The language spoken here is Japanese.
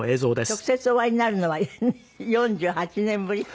直接お会いになるのは４８年ぶり？